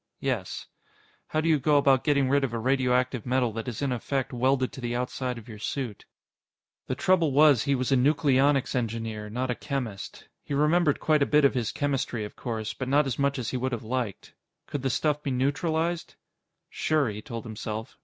Yes. How do you go about getting rid of a radioactive metal that is in effect welded to the outside of your suit? The trouble was, he was a nucleonics engineer, not a chemist. He remembered quite a bit of his chemistry, of course, but not as much as he would have liked. Could the stuff be neutralized? Sure, he told himself.